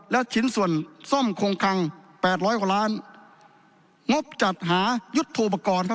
และชิ้นส่วนซ่อมคงคังแปดร้อยกว่าล้านงบจัดหายุทธโทปกรณ์ครับ